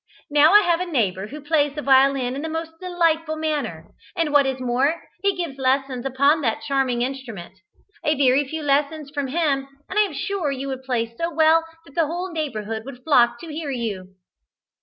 Now I have a neighbour who plays the violin in the most delightful manner, and what is more, he gives lessons upon that charming instrument. A very few lessons from him, and I am sure you would play so well that the whole neighbourhood would flock to hear you!"